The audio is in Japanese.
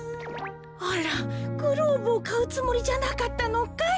あらグローブをかうつもりじゃなかったのかい？